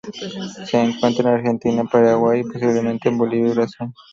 Se encuentra en Argentina, Paraguay y, posiblemente, en Bolivia y Brasil.